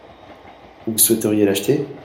Vous souhaiteriez l'acheter ?